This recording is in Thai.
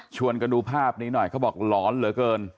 กันดูภาพนี้หน่อยเขาบอกหลอนเหลือเกิน